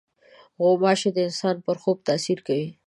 غوماشې د انسان پر خوب تاثیر کوي.